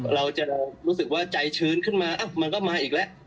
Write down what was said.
เราจะรู้สึกว่าใจชื้นขึ้นมามันก็มาอีกแล้ว